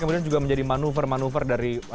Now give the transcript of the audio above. kemudian juga menjadi manuver manuver dari